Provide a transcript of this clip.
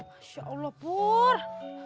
masya allah pur